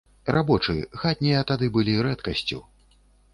Рабочы, хатнія тады былі рэдкасцю.